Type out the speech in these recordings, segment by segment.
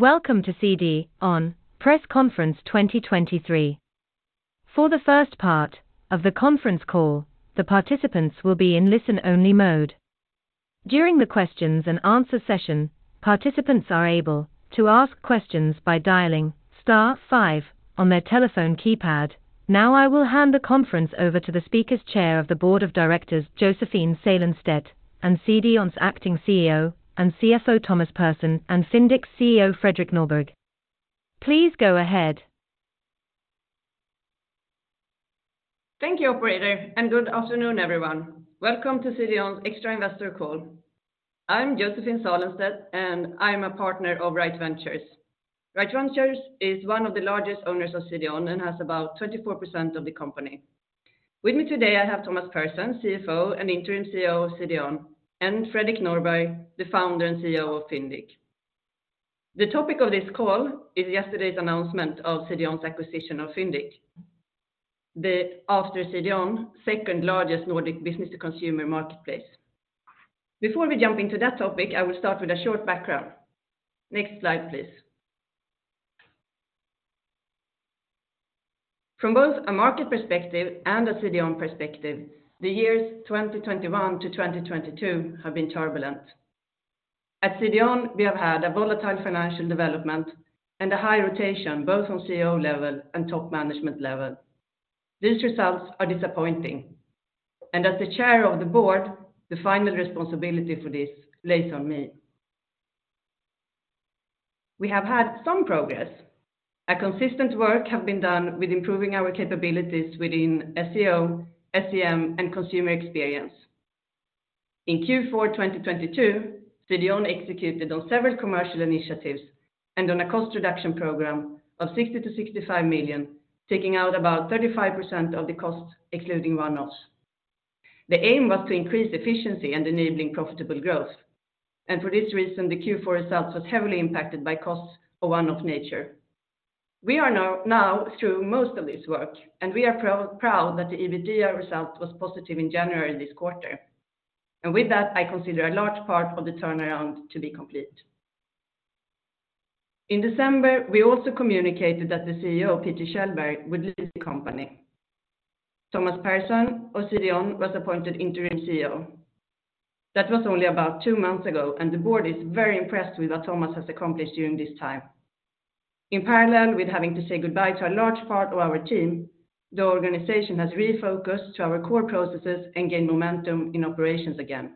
Welcome to CDON press conference 2023. For the first part of the conference call, the participants will be in listen-only mode. During the questions and answer session, participants are able to ask questions by dialing star five on their telephone keypad. I will hand the conference over to the speaker's Chair of the Board of Directors, Josephine Salenstedt, and CDON's acting CEO and CFO, Thomas Pehrsson, and Fyndiq's CEO, Fredrik Norberg. Please go ahead. Thank you, operator. Good afternoon, everyone. Welcome to CDON's extra investor call. I'm Josephine Salenstedt. I'm a partner of Rite Ventures. Rite Ventures is one of the largest owners of CDON and has about 24% of the company. With me today, I have Thomas Pehrsson, CFO and interim CEO of CDON, and Fredrik Norberg, the founder and CEO of Fyndiq. The topic of this call is yesterday's announcement of CDON's acquisition of Fyndiq, the, after CDON, second-largest Nordic business to consumer marketplace. Before we jump into that topic, I will start with a short background. Next slide, please. From both a market perspective and a CDON perspective, the years 2021 to 2022 have been turbulent. At CDON, we have had a volatile financial development and a high rotation, both on CEO level and top management level. These results are disappointing, and as the chair of the board, the final responsibility for this lays on me. We have had some progress. A consistent work have been done with improving our capabilities within SEO, SEM, and consumer experience. In Q4 2022, CDON executed on several commercial initiatives and on a cost reduction program of 60 million-65 million, taking out about 35% of the cost, excluding one-offs. The aim was to increase efficiency and enabling profitable growth. For this reason, the Q4 results was heavily impacted by costs of one-off nature. We are now through most of this work, and we are proud that the EBITDA result was positive in January this quarter. With that, I consider a large part of the turnaround to be complete. In December, we also communicated that the CEO, Peter Kjellberg, would leave the company. Thomas Pehrsson of CDON was appointed interim CEO. That was only about two months ago, the board is very impressed with what Thomas has accomplished during this time. In parallel with having to say goodbye to a large part of our team, the organization has refocused to our core processes and gained momentum in operations again.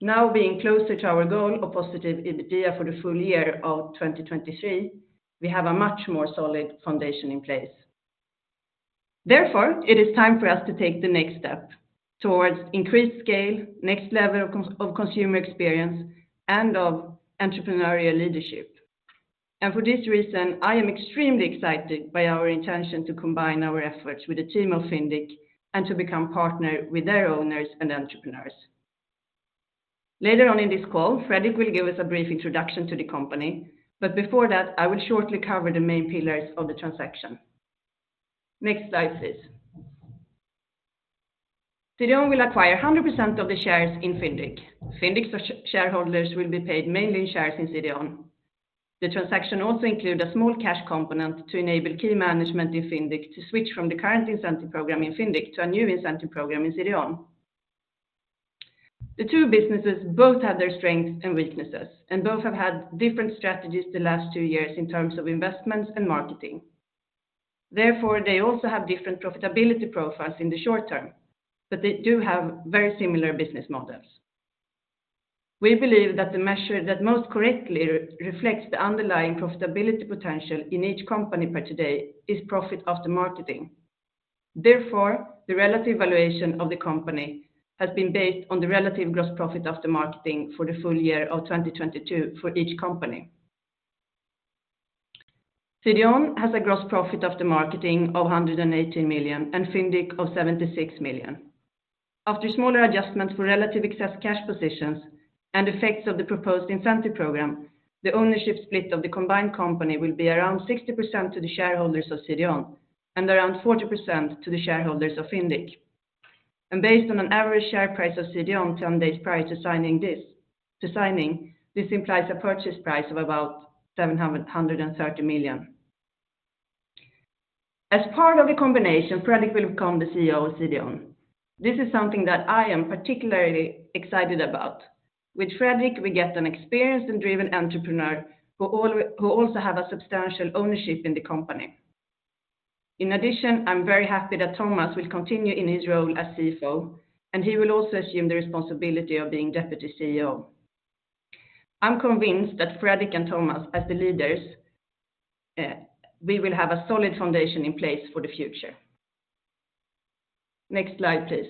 Now being closer to our goal of positive EBITDA for the full year of 2023, we have a much more solid foundation in place. Therefore, it is time for us to take the next step towards increased scale, next level of consumer experience, and of entrepreneurial leadership. For this reason, I am extremely excited by our intention to combine our efforts with the team of Fyndiq and to become partner with their owners and entrepreneurs. Later on in this call, Fredrik will give us a brief introduction to the company. Before that, I will shortly cover the main pillars of the transaction. Next slide, please. CDON will acquire 100% of the shares in Fyndiq. Fyndiq's shareholders will be paid mainly in shares in CDON. The transaction also include a small cash component to enable key management in Fyndiq to switch from the current incentive program in Fyndiq to a new incentive program in CDON. The two businesses both have their strengths and weaknesses, and both have had different strategies the last two years in terms of investments and marketing. They also have different profitability profiles in the short term, but they do have very similar business models. We believe that the measure that most correctly reflects the underlying profitability potential in each company per today is profit after marketing. Therefore, the relative valuation of the company has been based on the relative gross profit after marketing for the full year of 2022 for each company. CDON has a gross profit after marketing of 118 million and Fyndiq of 76 million. After smaller adjustments for relative excess cash positions and effects of the proposed incentive program, the ownership split of the combined company will be around 60% to the shareholders of CDON and around 40% to the shareholders of Fyndiq. Based on an average share price of CDON 10 days prior to signing, this implies a purchase price of about 730 million. As part of the combination, Fredrik will become the CEO of CDON. This is something that I am particularly excited about. With Fredrik, we get an experienced and driven entrepreneur who also have a substantial ownership in the company. In addition, I'm very happy that Thomas will continue in his role as CFO, and he will also assume the responsibility of being Deputy CEO. I'm convinced that Fredrik and Thomas, as the leaders, we will have a solid foundation in place for the future. Next slide, please.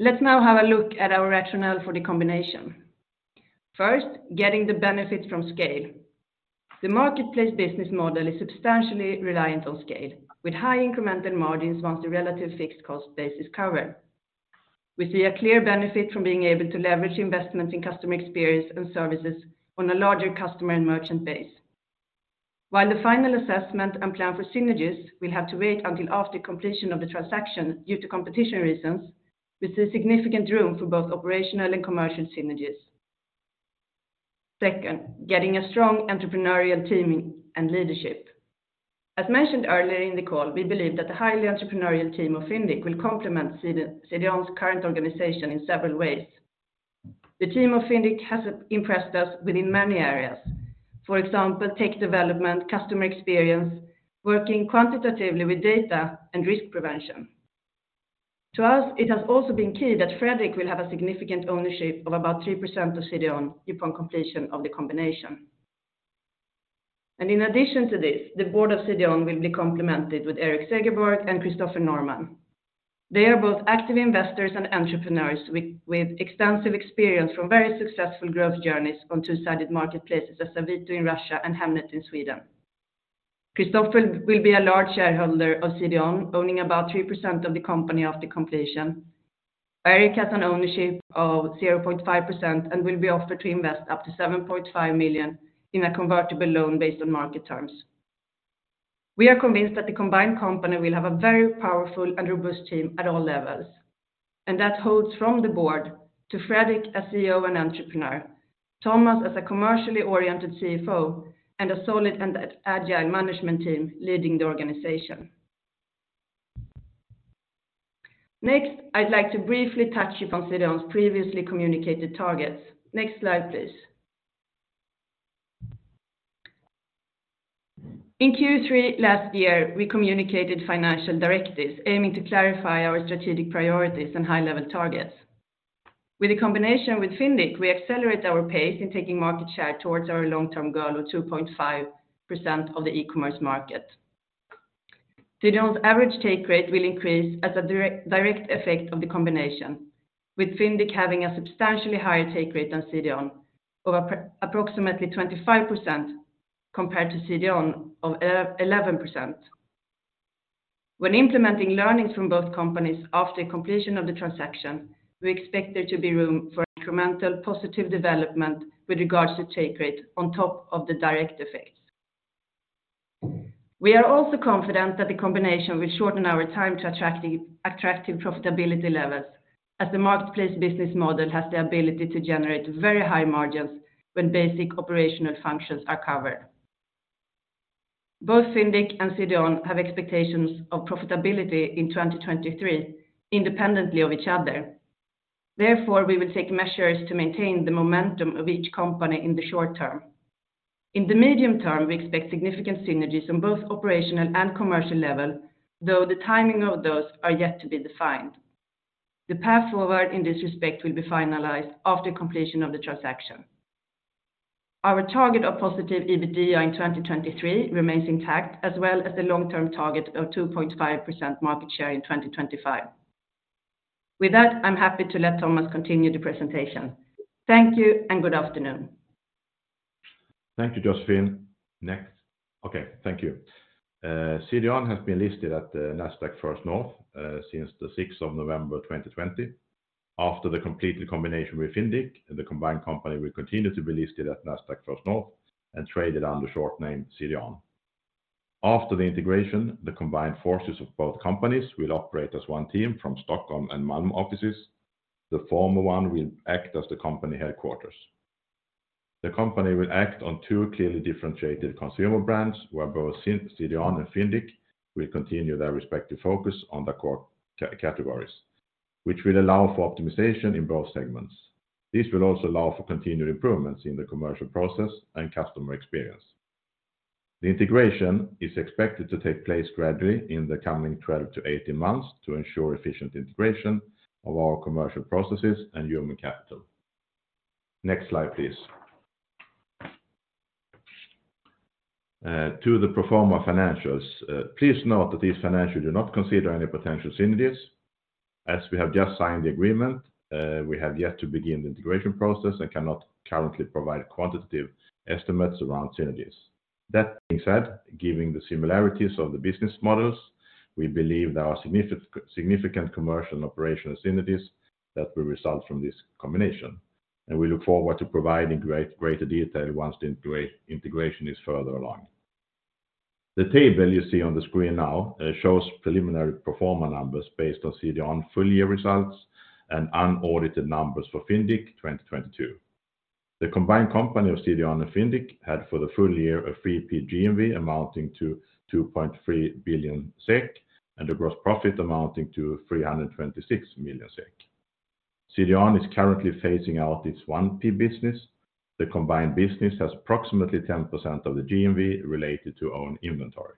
Let's now have a look at our rationale for the combination. First, getting the benefit from scale. The marketplace business model is substantially reliant on scale, with high incremental margins once the relative fixed cost base is covered. We see a clear benefit from being able to leverage investment in customer experience and services on a larger customer and merchant base. While the final assessment and plan for synergies will have to wait until after completion of the transaction due to competition reasons, we see significant room for both operational and commercial synergies. Second, getting a strong entrepreneurial team and leadership. As mentioned earlier in the call, we believe that the highly entrepreneurial team of Fyndiq will complement CDON's current organization in several ways. The team of Fyndiq has impressed us within many areas. For example, tech development, customer experience, working quantitatively with data, and risk prevention. To us, it has also been key that Fredrik will have a significant ownership of about 3% of CDON upon completion of the combination. In addition to this, the Board of CDON will be complemented with Erik Segerborg and Christoffer Norman. They are both active investors and entrepreneurs with extensive experience from very successful growth journeys on two-sided marketplaces as Avito in Russia and Hemnet in Sweden. Christoffer will be a large shareholder of CDON, owning about 3% of the company after completion. Erik has an ownership of 0.5% and will be offered to invest up to 7.5 million in a convertible loan based on market terms. We are convinced that the combined company will have a very powerful and robust team at all levels, and that holds from the board to Fredrik as CEO and entrepreneur, Thomas as a commercially oriented CFO, and a solid and agile management team leading the organization. Next, I'd like to briefly touch upon CDON's previously communicated targets. Next slide, please. In Q3 last year, we communicated financial directives aiming to clarify our strategic priorities and high-level targets. With a combination with Fyndiq, we accelerate our pace in taking market share towards our long-term goal of 2.5% of the e-commerce market. CDON's average take rate will increase as a direct effect of the combination, with Fyndiq having a substantially higher take rate than CDON of approximately 25% compared to CDON of 11%. When implementing learnings from both companies after completion of the transaction, we expect there to be room for incremental positive development with regards to take rate on top of the direct effects. We are also confident that the combination will shorten our time to attracting attractive profitability levels as the marketplace business model has the ability to generate very high margins when basic operational functions are covered. Both Fyndiq and CDON have expectations of profitability in 2023, independently of each other. We will take measures to maintain the momentum of each company in the short term. In the medium term, we expect significant synergies on both operational and commercial level, though the timing of those are yet to be defined. The path forward in this respect will be finalized after completion of the transaction. Our target of positive EBITDA in 2023 remains intact, as well as the long-term target of 2.5% market share in 2025. With that, I'm happy to let Thomas continue the presentation. Thank you and good afternoon. Thank you, Josephine. Next. Okay, thank you. CDON has been listed at the Nasdaq First North since the 6th of November, 2020. After the completed combination with Fyndiq, the combined company will continue to be listed at Nasdaq First North and traded under short name CDON. After the integration, the combined forces of both companies will operate as one team from Stockholm and Malmö offices. The former one will act as the company headquarters. The company will act on two clearly differentiated consumer brands, where both CDON and Fyndiq will continue their respective focus on the core categories, which will allow for optimization in both segments. This will also allow for continued improvements in the commercial process and customer experience. The integration is expected to take place gradually in the coming 12-18 months to ensure efficient integration of our commercial processes and human capital. Next slide, please. To the pro forma financials. Please note that these financials do not consider any potential synergies. As we have just signed the agreement, we have yet to begin the integration process and cannot currently provide quantitative estimates around synergies. That being said, given the similarities of the business models, we believe there are significant commercial and operational synergies that will result from this combination, and we look forward to providing greater detail once the integration is further along. The table you see on the screen now, shows preliminary pro forma numbers based on CDON full year results and unaudited numbers for Fyndiq 2022. The combined company of CDON and Fyndiq had for the full year a 3P GMV amounting to 2.3 billion SEK, and a gross profit amounting to 326 million SEK. CDON is currently phasing out its 1P business. The combined business has approximately 10% of the GMV related to own inventory.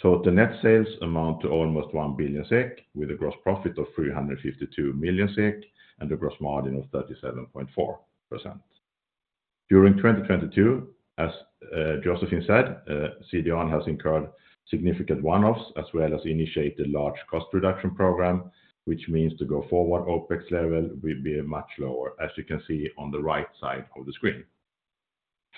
Total net sales amount to almost 1 billion SEK, with a gross profit of 352 million SEK and a gross margin of 37.4%. During 2022, as Josephine Salenstedt said, CDON has incurred significant one-offs, as well as initiated a large cost reduction program, which means to go forward, OpEx level will be much lower, as you can see on the right side of the screen.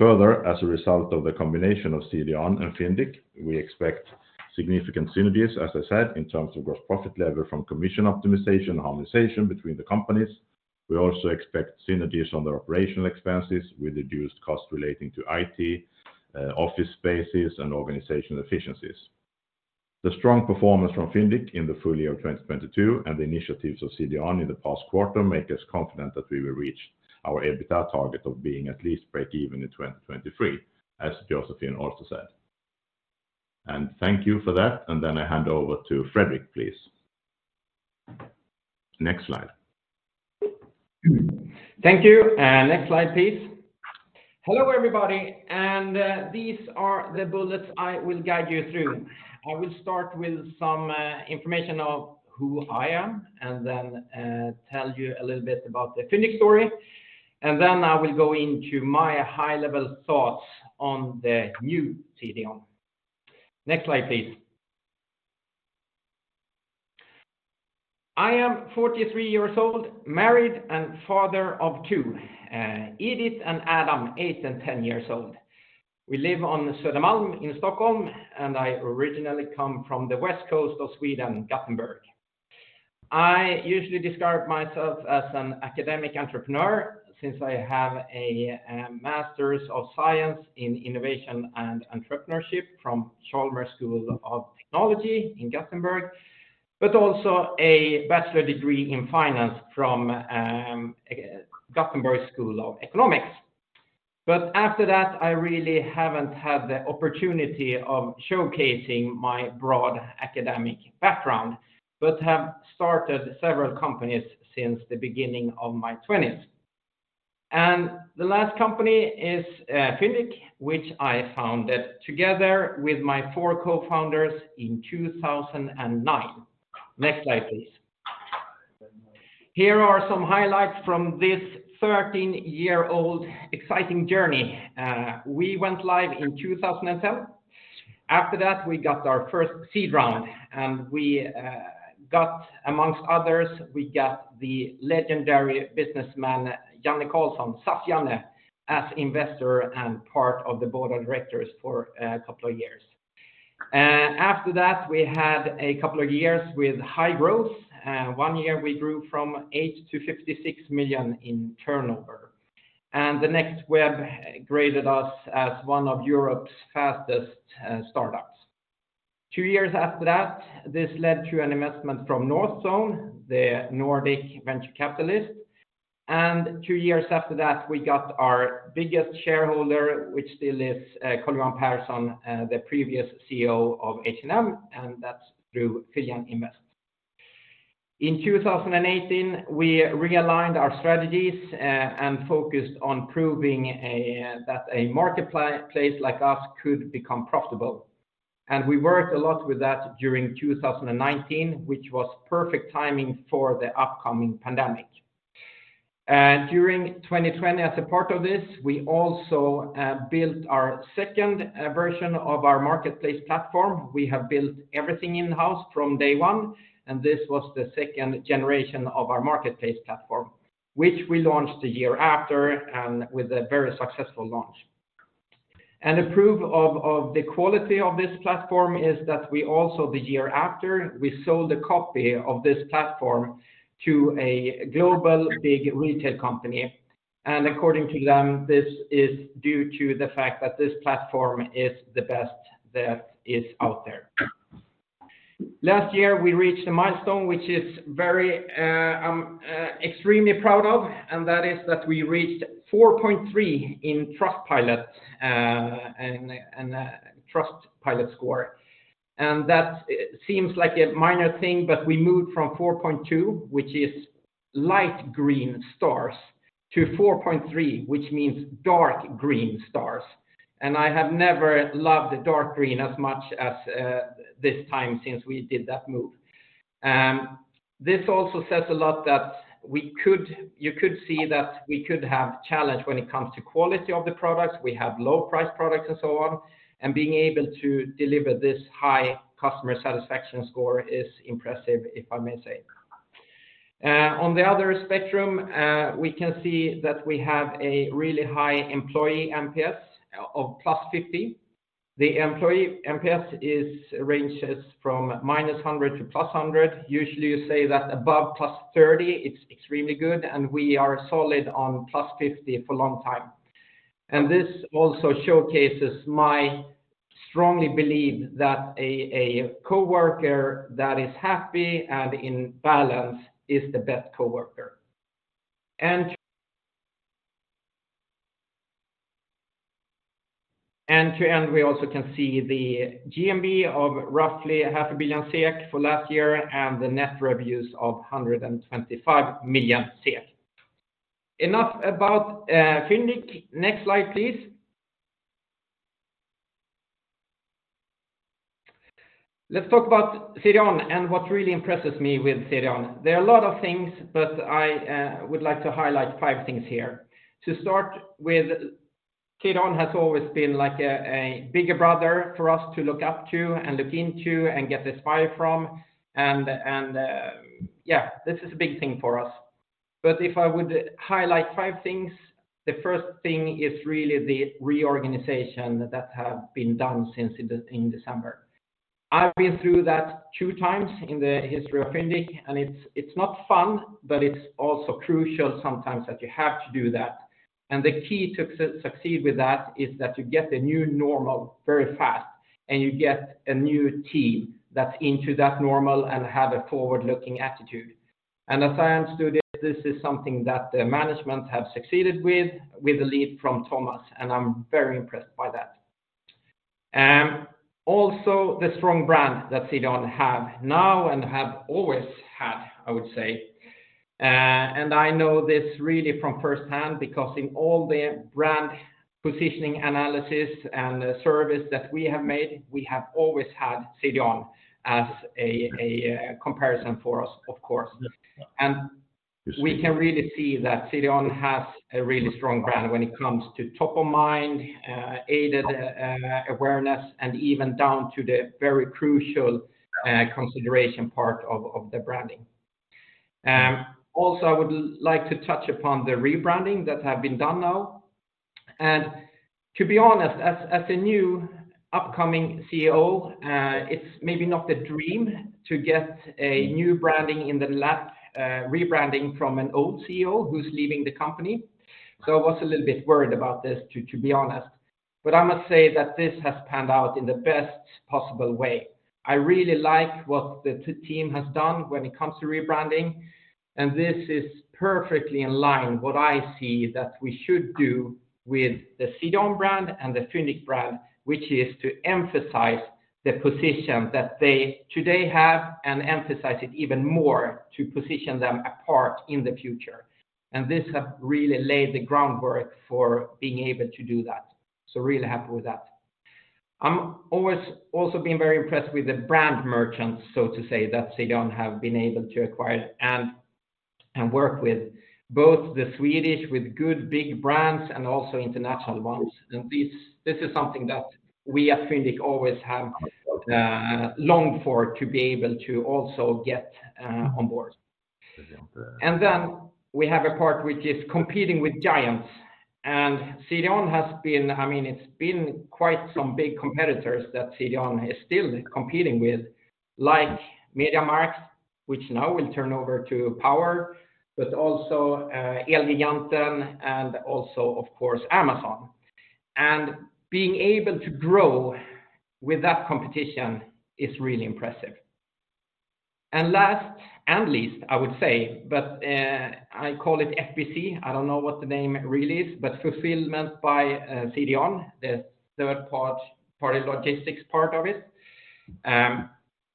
As a result of the combination of CDON and Fyndiq, we expect significant synergies, as I said, in terms of gross profit level from commission optimization and harmonization between the companies. We also expect synergies on the operational expenses with reduced costs relating to IT, office spaces, and organizational efficiencies. The strong performance from Fyndiq in the full year of 2022 and the initiatives of CDON in the past quarter make us confident that we will reach our EBITDA target of being at least break even in 2023, as Josephine also said. Thank you for that. I hand over to Fredrik, please. Next slide. Thank you. Next slide, please. Hello, everybody. These are the bullets I will guide you through. I will start with some information of who I am and then tell you a little bit about the Fyndiq story. I will go into my high-level thoughts on the new CDON. Next slide, please. I am 43 years old, married, and father of 2, Edith and Adam, eight and 10 years old. We live on Södermalm in Stockholm, and I originally come from the west coast of Sweden, Gothenburg. I usually describe myself as an academic entrepreneur since I have a Masters of Science in Innovation and Entrepreneurship from Chalmers University of Technology in Gothenburg, but also a bachelor degree in finance from School of Business, Economics and Law at the University of Gothenburg. After that, I really haven't had the opportunity of showcasing my broad academic background but have started several companies since the beginning of my twenties. The last company is Fyndiq, which I founded together with my four cofounders in 2009. Next slide, please. Here are some highlights from this 13-year-old exciting journey. We went live in 2007. After that, we got our first seed round, and we got amongst others, we got the legendary businessman Janne Carlsson, Sasjanne, as investor and part of the board of directors for a couple of years. After that, we had a couple of years with high growth. One year we grew from 8 million-56 million in turnover. The Next Web graded us as one of Europe's fastest startups. 2 years after that, this led to an investment from Northzone, the Nordic venture capitalist. two years after that, we got our biggest shareholder, which still is Karl-Johan Persson, the previous CEO of H&M, and that's through Philian Invest. In 2018, we realigned our strategies and focused on proving that a marketplace like us could become profitable. We worked a lot with that during 2019, which was perfect timing for the upcoming pandemic. During 2020, as a part of this, we also built our second version of our marketplace platform. We have built everything in-house from day one. This was the 2nd generation of our marketplace platform, which we launched one year after and with a very successful launch. The proof of the quality of this platform is that we also, the year after, we sold a copy of this platform to a global big retail company. According to them, this is due to the fact that this platform is the best that is out there. Last year, we reached a milestone which is very, I'm extremely proud of, and that is that we reached 4.3 in Trustpilot score. That seems like a minor thing, but we moved from 4.2, which is light green stars, to 4.3, which means dark green stars. I have never loved dark green as much as this time since we did that move. This also says a lot that you could see that we could have challenge when it comes to quality of the products. We have low price products and so on, and being able to deliver this high customer satisfaction score is impressive, if I may say. On the other spectrum, we can see that we have a really high employee NPS of +50. The employee NPS ranges from -100 to +100. Usually, you say that above +30, it's extremely good, and we are solid on +50 for a long time. This also showcases my strongly believe that a coworker that is happy and in balance is the best coworker. We also can see the GMV of roughly 500 million SEK for last year and the net reviews of 125 million SEK. Enough about Fyndiq. Next slide, please. Let's talk about CDON and what really impresses me with CDON. There are a lot of things, but I would like to highlight five things here. To start with, CDON has always been like a bigger brother for us to look up to and look into and get inspired from. Yeah, this is a big thing for us. If I would highlight five things, the first thing is really the reorganization that have been done since in December. I've been through that two times in the history of Fyndiq, and it's not fun, but it's also crucial sometimes that you have to do that. The key to succeed with that is that you get the new normal very fast, and you get a new team that's into that normal and have a forward-looking attitude. As I understood it, this is something that the management have succeeded with the lead from Thomas, and I'm very impressed by that. Also the strong brand that they don't have now and have always had, I would say. I know this really from firsthand because in all the brand positioning analysis and service that we have made, we have always had CDON as a comparison for us, of course. We can really see that CDON has a really strong brand when it comes to top of mind, aided awareness, and even down to the very crucial consideration part of the branding. Also, I would like to touch upon the rebranding that have been done now. To be honest, as a new upcoming CEO, it's maybe not the dream to get a new branding in the lab, rebranding from an old CEO who's leaving the company. I was a little bit worried about this to be honest. I must say that this has panned out in the best possible way. I really like what the team has done when it comes to rebranding, and this is perfectly in line what I see that we should do with the CDON brand and the Fyndiq brand, which is to emphasize the position that they today have and emphasize it even more to position them apart in the future. This has really laid the groundwork for being able to do that. Really happy with that. I'm always also been very impressed with the brand merchants, so to say, that they don't have been able to acquire and work with both the Swedish with good big brands and also international ones. This is something that we at Fyndiq always have longed for to be able to also get on board. Then we have a part which is competing with giants. I mean, it's been quite some big competitors that CDON is still competing with, like MediaMarkt, which now will turn over to Power, but also Elgiganten, and also, of course, Amazon. Being able to grow with that competition is really impressive. Last and least, I would say, but I call it FBC. I don't know what the name really is, but Fulfillment by CDON, the third-party logistics part of it,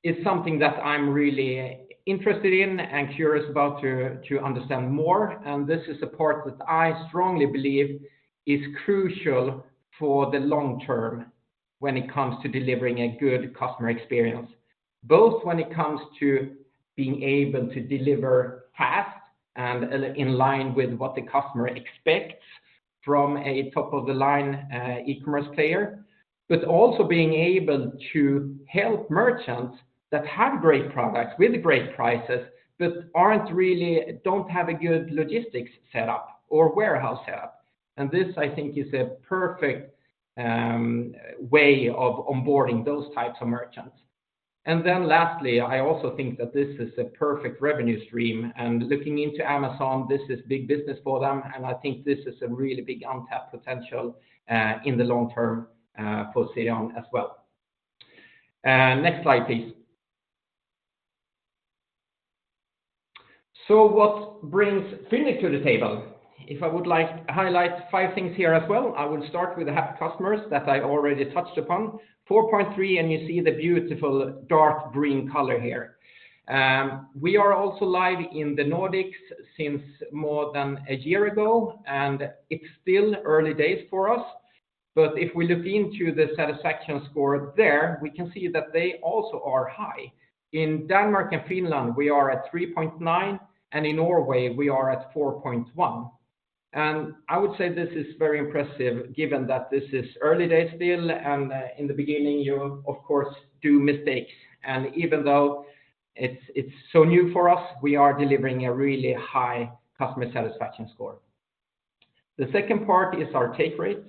is something that I'm really interested in and curious about to understand more. This is a part that I strongly believe is crucial for the long term when it comes to delivering a good customer experience, both when it comes to being able to deliver fast and in line with what the customer expects from a top-of-the-line e-commerce player, but also being able to help merchants that have great products with great prices but don't have a good logistics set up or warehouse set up. This I think is a perfect way of onboarding those types of merchants. Lastly, I also think that this is a perfect revenue stream. Looking into Amazon, this is big business for them, and I think this is a really big untapped potential in the long term for CDON as well. Next slide, please. What brings Fyndiq to the table? If I would like to highlight five things here as well, I would start with the happy customers that I already touched upon, 4.3, and you see the beautiful dark green color here. We are also live in the Nordics since more than a year ago, and it's still early days for us. If we look into the satisfaction score there, we can see that they also are high. In Denmark and Finland, we are at 3.9, and in Norway, we are at 4.1. I would say this is very impressive given that this is early days still. In the beginning, you of course do mistakes. Even though it's so new for us, we are delivering a really high customer satisfaction score. The second part is our take rate,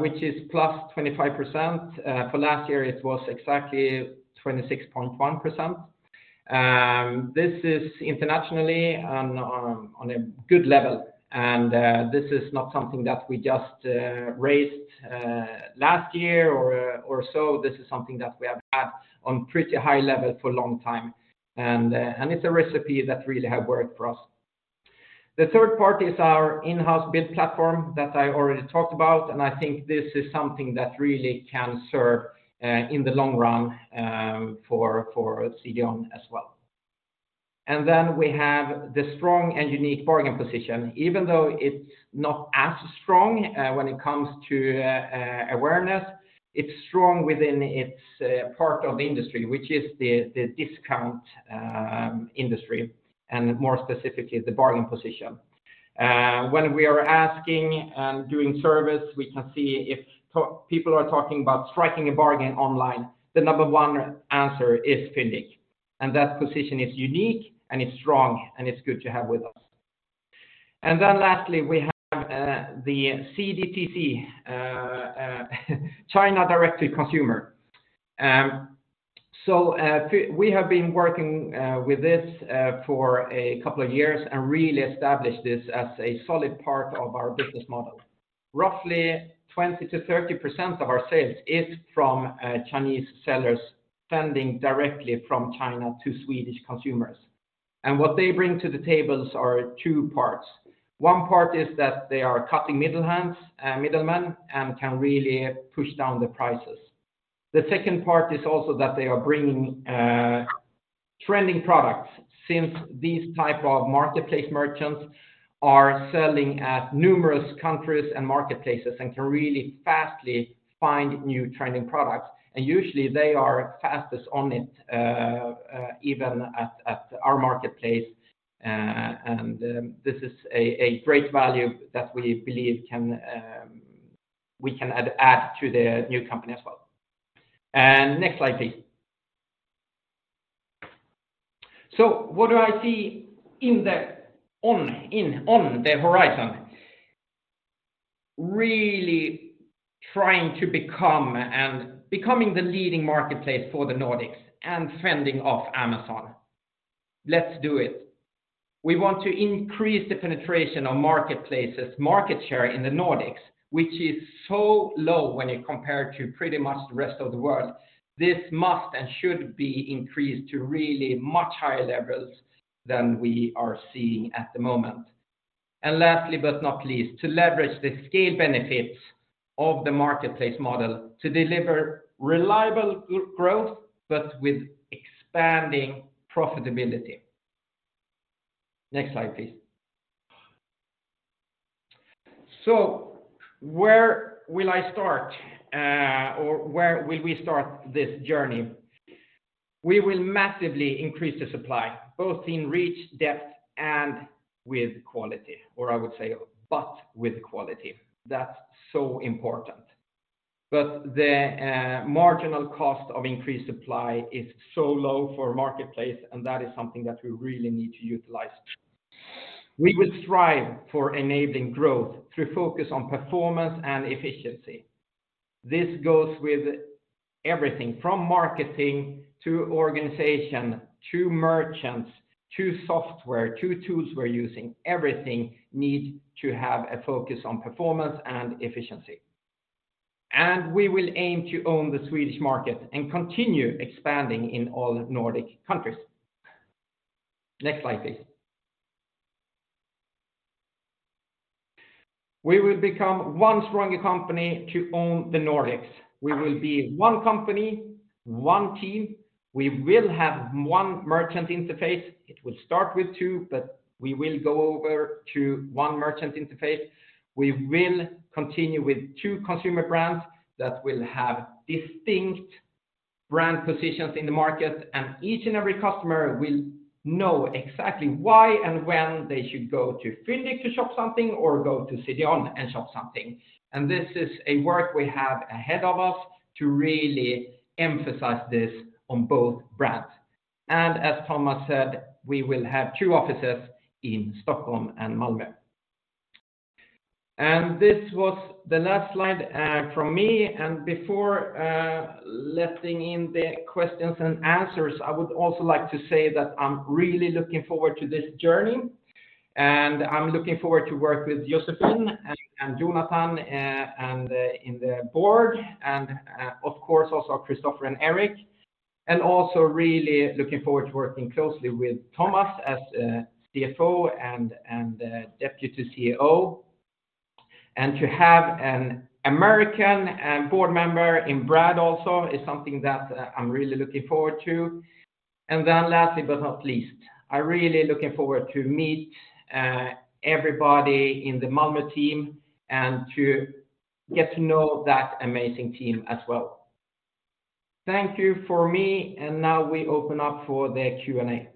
which is +25%. For last year, it was exactly 26.1%. This is internationally on a good level. This is not something that we just raised last year or so. This is something that we have had on pretty high level for a long time. It's a recipe that really have worked for us. The third part is our in-house bid platform that I already talked about, and I think this is something that really can serve in the long run for CDON as well. We have the strong and unique bargain position. ot as strong when it comes to awareness, it's strong within its part of the industry, which is the discount industry, and more specifically, the bargain position. When we are asking and doing service, we can see if people are talking about striking a bargain online, the number one answer is Fyndiq. That position is unique, and it's strong, and it's good to have with us. Lastly, we have the CDTC, China Direct to Consumer. So we have been working with this for a couple of years and really established this as a solid part of our business model. Roughly 20%-30% of our sales is from Chinese sellers sending directly from China to Swedish consumers. What they bring to the tables are two parts. One part is that they are cutting middlemen and can really push down the prices. The second part is also that they are bringing trending products since these type of marketplace merchants are selling at numerous countries and marketplaces and can really fastly find new trending products. Usually they are fastest on it, even at our marketplace. This is a great value that we believe can add to the new company as well. Next slide, please. What do I see on the horizon? Really trying to become and becoming the leading marketplace for the Nordics and fending off Amazon. Let's do it. We want to increase the penetration of marketplaces, market share in the Nordics, which is so low when you compare to pretty much the rest of the world. This must and should be increased to really much higher levels than we are seeing at the moment. Lastly, but not least, to leverage the scale benefits of the marketplace model to deliver reliable growth, but with expanding profitability. Next slide, please. Where will I start? Or where will we start this journey? We will massively increase the supply, both in reach, depth, and with quality, or I would say, but with quality. That's so important. The marginal cost of increased supply is so low for a marketplace, and that is something that we really need to utilize. We will strive for enabling growth through focus on performance and efficiency. This goes with everything from marketing to organization, to merchants, to software, to tools we're using. Everything need to have a focus on performance and efficiency. We will aim to own the Swedish market and continue expanding in all Nordic countries. Next slide, please. We will become one stronger company to own the Nordics. We will be one company, one team. We will have one merchant interface. It will start with two, but we will go over to one merchant interface. We will continue with two consumer brands that will have distinct brand positions in the market, and each and every customer will know exactly why and when they should go to Fyndiq to shop something or go to CDON and shop something. This is a work we have ahead of us to really emphasize this on both brands. As Thomas said, we will have two offices in Stockholm and Malmö. This was the last slide from me. Before letting in the questions and answers, I would also like to say that I'm really looking forward to this journey, and I'm looking forward to work with Josephine and Jonathan in the board, and of course, also Christoffer and Erik. Also really looking forward to working closely with Thomas as CFO and Deputy CEO. To have an American board member in Brad also is something that I'm really looking forward to. Lastly, but not least, I really looking forward to meet everybody in the Malmö team and to get to know that amazing team as well. Thank you for me. Now we open up for the Q&A.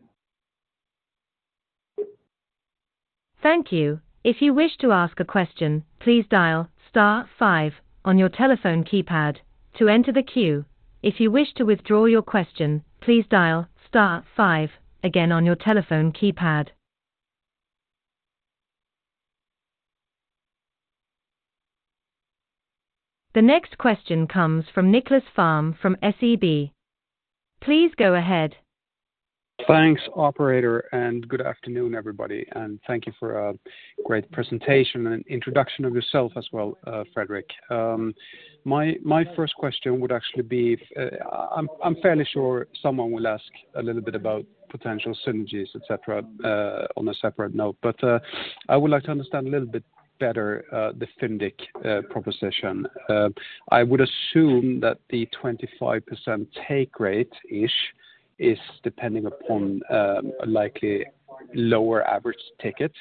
Thank you. If you wish to ask a question, please dial star five on your telephone keypad to enter the queue. If you wish to withdraw your question, please dial star five again on your telephone keypad. The next question comes from Nicklas Fhärm from SEB. Please go ahead. Thanks, operator, and good afternoon, everybody, and thank you for a great presentation and introduction of yourself as well, Fredrik. My first question would actually be, I'm fairly sure someone will ask a little bit about potential synergies, et cetera, on a separate note, but I would like to understand a little bit better the Fyndiq proposition. I would assume that the 25% take rate-ish is depending upon a likely lower average ticket.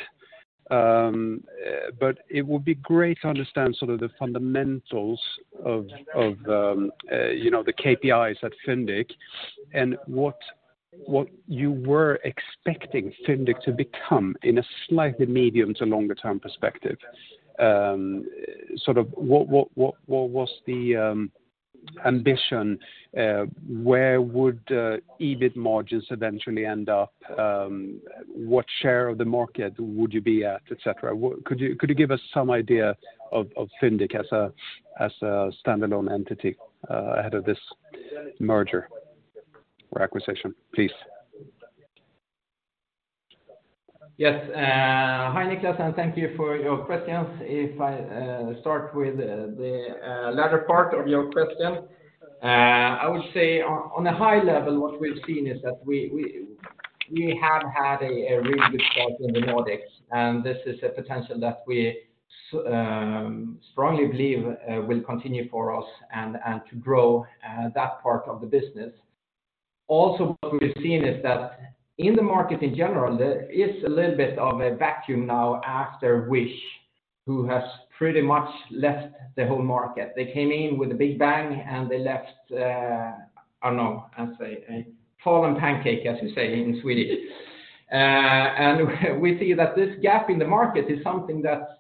But it would be great to understand sort of the fundamentals of, you know, the KPIs at Fyndiq and what you were expecting Fyndiq to become in a slightly medium to longer term perspective. Sort of what was the ambition, where would EBIT margins eventually end up? What share of the market would you be at, et cetera? Could you give us some idea of Fyndiq as a standalone entity ahead of this merger or acquisition, please? Yes. Hi, Nicklas, thank you for your questions. If I start with the latter part of your question, I would say on a high level, what we've seen is that we have had a really good start in the Nordics, this is a potential that we strongly believe will continue for us and to grow that part of the business. What we've seen is that in the market in general, there is a little bit of a vacuum now after Wish who has pretty much left the whole market. They came in with a big bang, they left, I don't know, I'd say a fallen pancake as you say in Swedish. We see that this gap in the market is something that...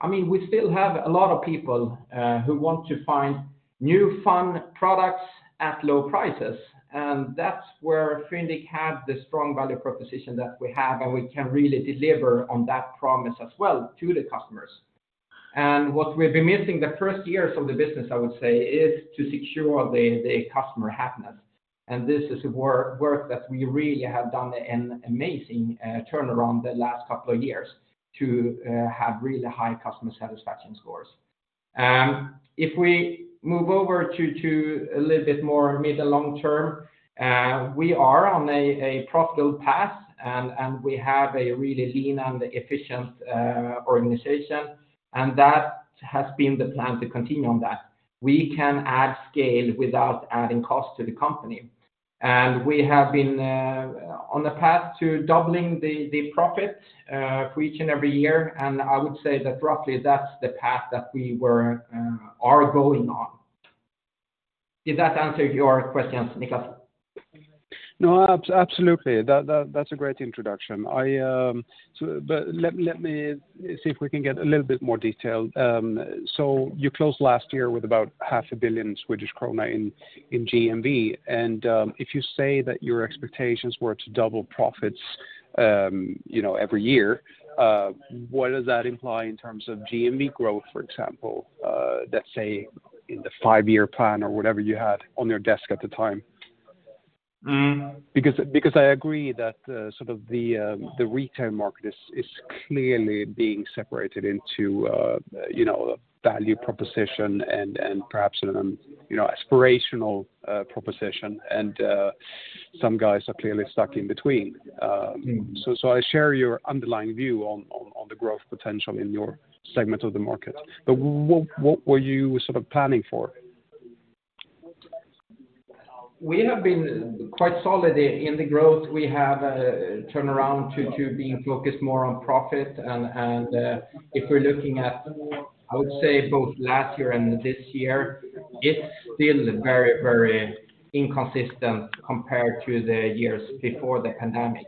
I mean, we still have a lot of people who want to find new fun products at low prices, and that's where Fyndiq have the strong value proposition that we have, and we can really deliver on that promise as well to the customers. What we've been missing the first years of the business, I would say, is to secure the customer happiness. This is a work that we really have done an amazing turnaround the last couple of years to have really high customer satisfaction scores. If we move over to a little bit more mid to long term, we are on a profitable path and we have a really lean and efficient organization, and that has been the plan to continue on that. We can add scale without adding cost to the company. We have been on the path to doubling the profit for each and every year. I would say that roughly that's the path that we were are going on. Did that answer your questions, Nicklas? No, absolutely. That's a great introduction. I... Let me see if we can get a little bit more detail. You closed last year with about 500 million Swedish krona in GMV. If you say that your expectations were to double profits, you know, every year, what does that imply in terms of GMV growth, for example, let's say in the five-year plan or whatever you had on your desk at the time? Mm. I agree that sort of the retail market is clearly being separated into, you know, value proposition and perhaps, you know, aspirational proposition and some guys are clearly stuck in between. I share your underlying view on the growth potential in your segment of the market. What were you sort of planning for? We have been quite solid in the growth. We have turned around to being focused more on profit and if we're looking at, I would say, both last year and this year, it's still very, very inconsistent compared to the years before the pandemic.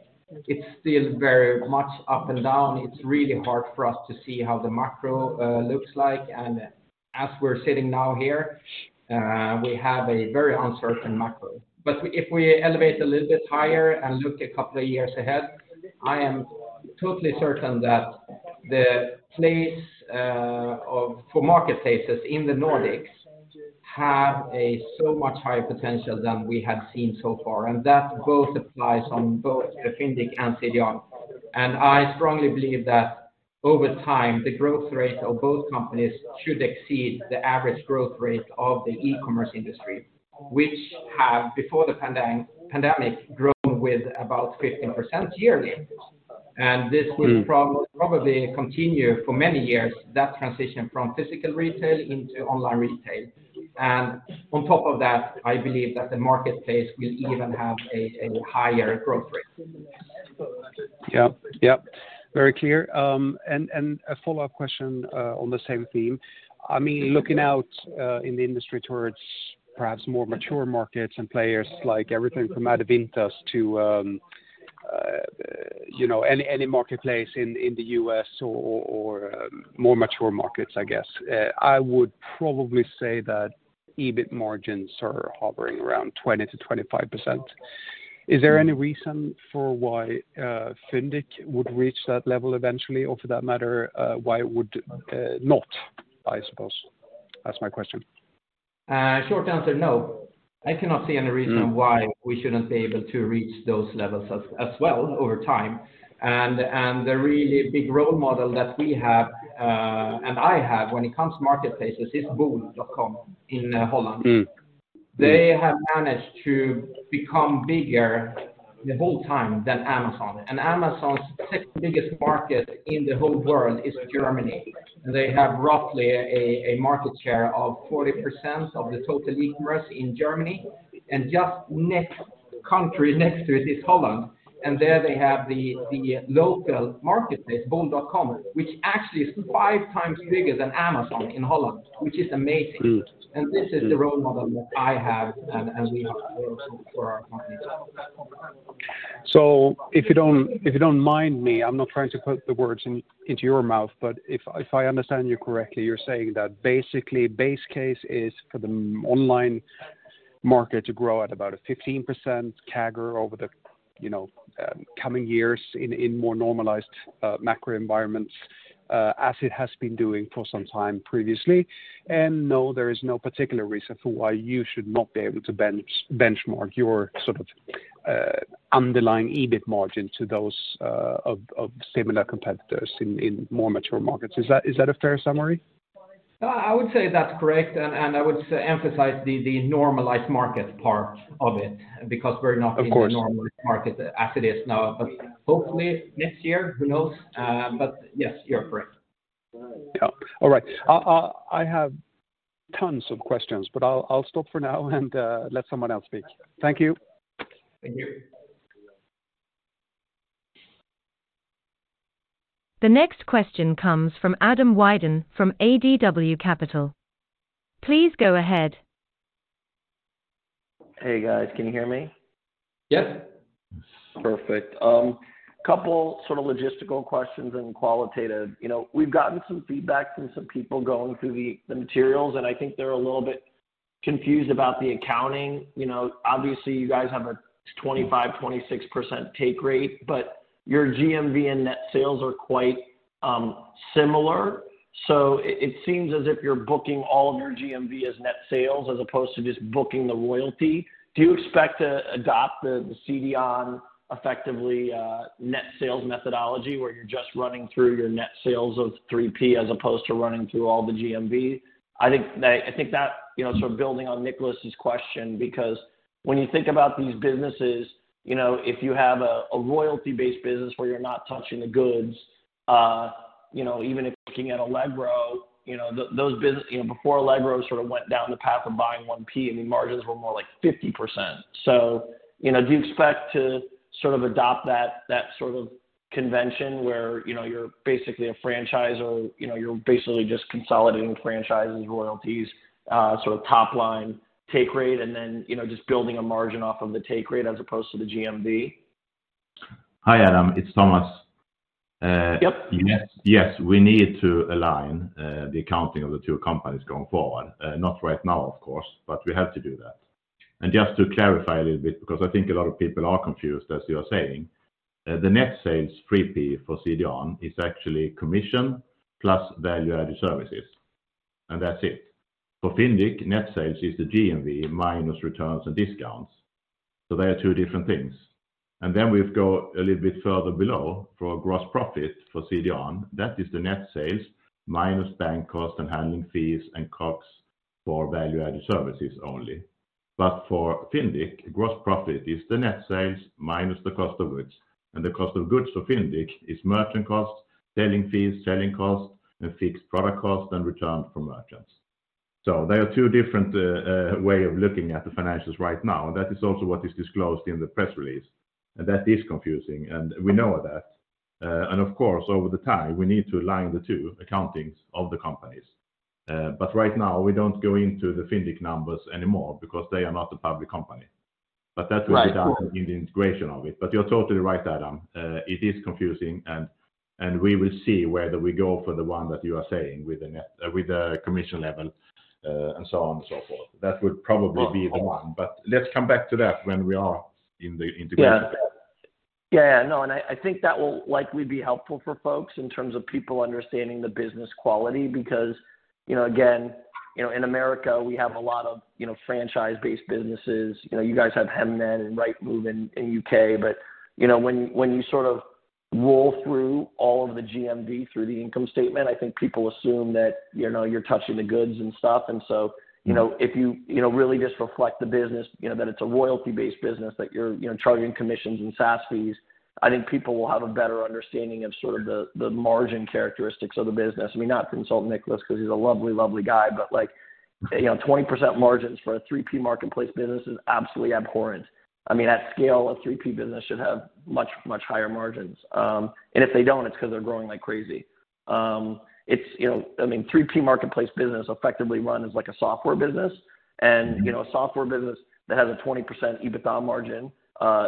It's still very much up and down. It's really hard for us to see how the macro looks like. As we're sitting now here, we have a very uncertain macro. If we elevate a little bit higher and look a couple of years ahead, I am totally certain that the place of for marketplaces in the Nordics have a so much higher potential than we have seen so far. That both applies on both the Fyndiq and CDON. I strongly believe that over time, the growth rate of both companies should exceed the average growth rate of the e-commerce industry, which have, before the pandemic, grown with about 15% yearly. Mm. will probably continue for many years, that transition from physical retail into online retail. On top of that, I believe that the marketplace will even have a higher growth rate. Yep. Very clear. A follow-up question on the same theme. I mean, looking out in the industry towards perhaps more mature markets and players, like everything from Adevinta to, you know, any marketplace in the U.S. or more mature markets, I guess, I would probably say that EBIT margins are hovering around 20%-25%. Is there any reason for why Fyndiq would reach that level eventually? Or for that matter, why it would not, I suppose? That's my question. Short answer, no. I cannot see any reason. Mm. why we shouldn't be able to reach those levels as well over time. The really big role model that we have, and I have when it comes to marketplaces is bol.com In Holland. Mm. They have managed to become bigger the whole time than Amazon. Amazon's sixth biggest market in the whole world is Germany. They have roughly a market share of 40% of the total e-commerce in Germany, and just next country next to it is Holland. There they have the local marketplace, bol.com, which actually is five times bigger than Amazon in Holland, which is amazing. Mm. This is the role model that I have and we have also for our marketplace. If you don't mind me, I'm not trying to put the words into your mouth, but if I understand you correctly, you're saying that basically base case is for the online market to grow at about a 15% CAGR over the, you know, coming years in more normalized macro environments, as it has been doing for some time previously. No, there is no particular reason for why you should not be able to benchmark your sort of underlying EBIT margin to those of similar competitors in more mature markets. Is that a fair summary? I would say that's correct. I would emphasize the normalized market part of it because we're not... Of course. in the normal market as it is now, but hopefully this year, who knows? But yes, you're correct. All right. I have tons of questions, but I'll stop for now and let someone else speak. Thank you. Thank you. The next question comes from Adam Wyden from ADW Capital. Please go ahead. Hey, guys. Can you hear me? Yes. Perfect. Couple sort of logistical questions and qualitative. You know, we've gotten some feedback from some people going through the materials, and I think they're a little bit confused about the accounting. You know, obviously, you guys have a 25%-26% take rate, but your GMV and net sales are quite similar. It, it seems as if you're booking all of your GMV as net sales as opposed to just booking the royalty. Do you expect to adopt the CDON effectively, net sales methodology, where you're just running through your net sales of 3P as opposed to running through all the GMV? I think that, you know, sort of building on Nicholas's question, because when you think about these businesses, you know, if you have a royalty-based business where you're not touching the goods, you know, even if looking at Allegro, you know, before Allegro sort of went down the path of buying 1P, I mean, margins were more like 50%. You know, do you expect to sort of adopt that sort of convention where, you know, you're basically a franchisor, you know, you're basically just consolidating franchises royalties, sort of top line take rate and then, you know, just building a margin off of the take rate as opposed to the GMV? Hi, Adam. It's Thomas. Yep. Yes. Yes. We need to align the accounting of the two companies going forward. Not right now, of course, but we have to do that. Just to clarify a little bit, because I think a lot of people are confused, as you are saying, the net sales 3P for CDON is actually commission plus value-added services, and that's it. For Fyndiq, net sales is the GMV minus returns and discounts. They are two different things. Then we've go a little bit further below for gross profit for CDON. That is the net sales minus bank costs and handling fees and costs for value-added services only. For Fyndiq, gross profit is the net sales minus the cost of goods. The cost of goods for Fyndiq is merchant costs, selling fees, selling costs, and fixed product costs, and returns from merchants. There are two different way of looking at the financials right now, and that is also what is disclosed in the press release. That is confusing, and we know that. Of course, over the time, we need to align the two accountings of the companies. Right now, we don't go into the Fyndiq numbers anymore because they are not a public company. Right. Cool. we've done in the integration of it. You're totally right, Adam. It is confusing, and we will see whether we go for the one that you are saying with the commission level, and so on and so forth. That would probably be the one. Let's come back to that when we are in the integration phase. Yeah. Yeah. No. I think that will likely be helpful for folks in terms of people understanding the business quality because, you know, again, you know, in America, we have a lot of, you know, franchise-based businesses. You know, you guys have Hemnet and Rightmove in U.K. You know, when you sort of roll through all of the GMV through the income statement, I think people assume that, you know, you're touching the goods and stuff. Mm-hmm. you know, if you know, really just reflect the business, you know, that it's a royalty-based business, that you're, you know, charging commissions and SaaS fees, I think people will have a better understanding of sort of the margin characteristics of the business. I mean, not to insult Nicholas because he's a lovely guy, but, like, you know, 20% margins for a 3P marketplace business is absolutely abhorrent. I mean, at scale, a 3P business should have much, much higher margins. and if they don't, it's ’cause they're growing like crazy. I mean, 3P marketplace business effectively run as like a software business. Mm-hmm. you know, a software business that has a 20% EBITDA margin